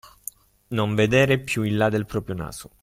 Non vedere più in là del proprio naso.